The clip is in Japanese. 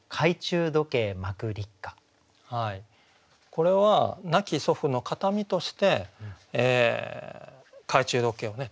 これは亡き祖父の形見として懐中時計をね